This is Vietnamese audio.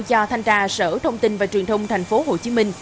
do thanh tra sở thông tin và truyền thông thành phố hồ chí minh